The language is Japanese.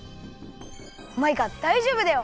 マイカだいじょうぶだよ！